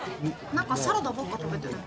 何かサラダばっか食べてるね。